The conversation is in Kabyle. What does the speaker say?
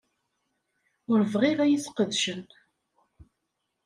Ur bɣiɣ ad iyi-sqedcen.